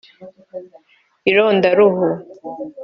irondaruhu